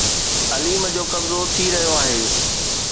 عليم جو قبضو ٿي رهيو آهي